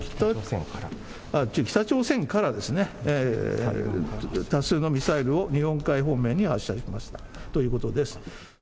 北朝鮮からですね、多数のミサイルを日本海方面に発射しましたということです。